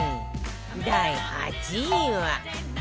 第８位は